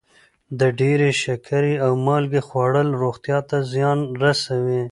د ډېرې شکرې او مالګې خوړل روغتیا ته زیان رسوي.